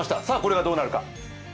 さあこれがどうなるか。